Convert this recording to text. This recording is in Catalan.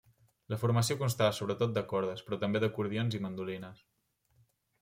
La formació constava sobretot de cordes, però també d'acordions i mandolines.